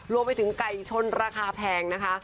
รวมไปถึงไก่ชนราคาแพงนะคะ